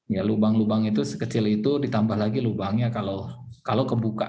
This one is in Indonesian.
ya lubang lubang itu sekecil itu ditambah lagi lubangnya kalau kebuka